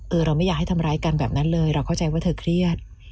เราไม่อยากให้ทำร้ายกันแบบนั้นเลยเราเข้าใจว่าเธอเครียด